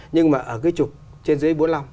nhưng mà ở cái trục trên dưới bốn mươi năm